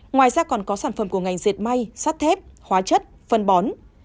ngoài ra còn có sản phẩm của ngành diệt may sắt thép hóa chất phân bón